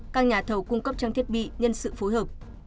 các nhà thầu cung cấp trang thiết bị nhân sự phối hợp